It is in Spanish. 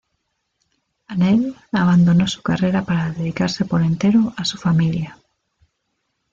Anel abandonó su carrera para dedicarse por entero a su familia.